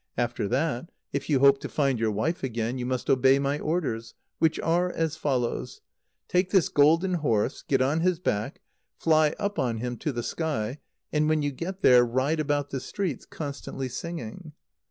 After that, if you hope to find your wife again, you must obey my orders, which are as follows: Take this golden horse, get on his back, fly up on him to the sky, and, when you get there, ride about the streets, constantly singing."